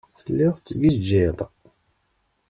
Telliḍ tettgijjiḍ.